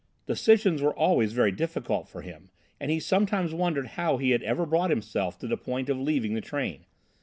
Decisions were always very difficult for him and he sometimes wondered how he had ever brought himself to the point of leaving the train.